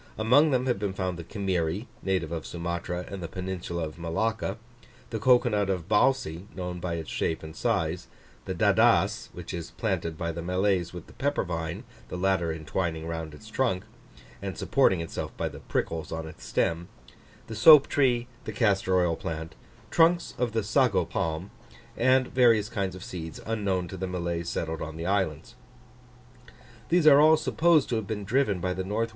Among them have been found the Kimiri, native of Sumatra and the peninsula of Malacca; the cocoa nut of Balci, known by its shape and size; the Dadass, which is planted by the Malays with the pepper vine, the latter intwining round its trunk, and supporting itself by the prickles on its stem; the soap tree; the castor oil plant; trunks of the sago palm; and various kinds of seeds unknown to the Malays settled on the islands. These are all supposed to have been driven by the N. W.